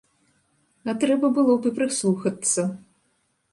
А трэба было б і прыслухацца.